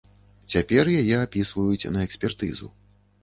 Цяпер яе апісваюць на экспертызу.